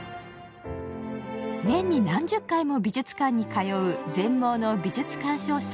年に何十回も美術館に通う全盲の美術鑑賞者